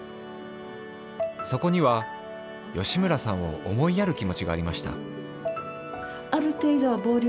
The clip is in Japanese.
そこには吉村さんを思いやる気持ちがありました。